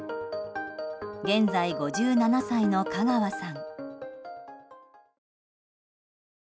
現在５７歳の香川さん。